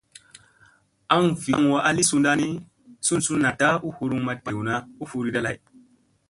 Aŋ vi kaŋ wa a li sunɗa ni, sun sun naɗta u huruŋ ma dewna u furiɗa lay.